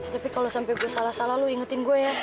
tapi kalau sampai gue salah salah lo ingetin gue ya